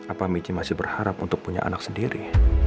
apa miki masih berharap untuk punya anak sendiri